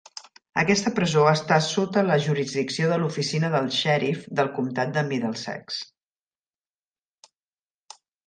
Aquesta presó està sota la jurisdicció de l'oficina del xèrif del comtat de Middlesex.